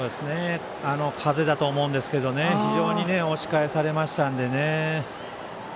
風だと思うんですけど非常に押し返されましたんでね。